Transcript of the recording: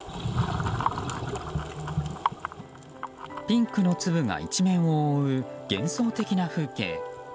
ピンクの粒が一面を覆う幻想的な風景。